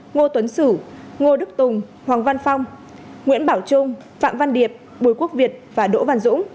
ngô tuấn sử ngô đức tùng hoàng văn phong nguyễn bảo trung phạm văn điệp bùi quốc việt và đỗ văn dũng